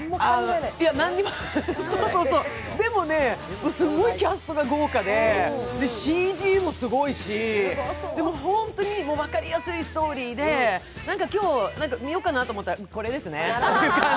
でもすごいキャストが豪華で、ＣＧもすごいし、でも本当に分かりやすいストーリーで何か今日、見ようかなと思ったらこれですね。